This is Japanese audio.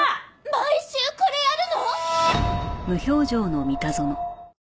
毎週これやるの！？